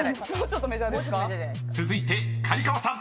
［続いて刈川さん］